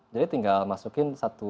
jadi tinggal masukin satu